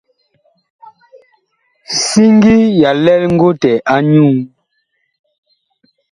Siŋgi ya lɛl ngotɛ a nyuú.